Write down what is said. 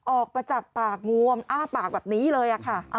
ออกมาจากปากงวมอ้าปากแบบนี้เลยค่ะ